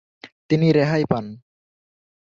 তিনি রেহাই পান।